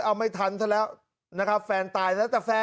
เอาไม่ทันซะแล้วนะครับแฟนตายแล้วแต่แฟน